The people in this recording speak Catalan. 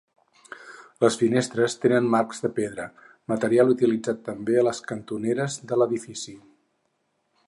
Les finestres tenen marcs de pedra, material utilitzat també a les cantoneres de l'edifici.